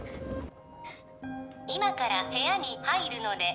今から部屋に入るので